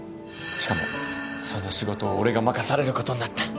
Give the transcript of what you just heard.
しかもその仕事を俺が任されることになった。